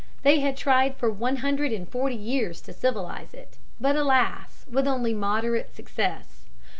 They had tried for one hundred and forty years to civilize it, but, alas, with only moderate success.